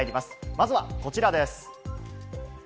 まずはこちらです。